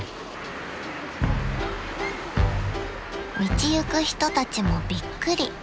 ［道行く人たちもびっくり］